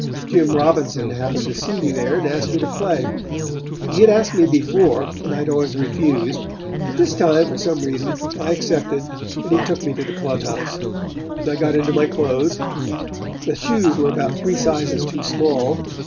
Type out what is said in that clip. Jim Robinson happened to see me there and asked me to play. He had asked me before, and I had always refused, but this time for some reason I accepted and he took me to the Club house. "I got into my clothes. The shoes were about three sizes too small.